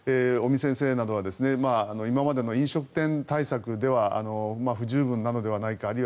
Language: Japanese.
尾身先生などは今までの飲食店対策では不十分なのではないか。